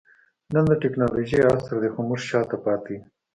نن د ټکنالوجۍ عصر دئ؛ خو موږ شاته پاته يو.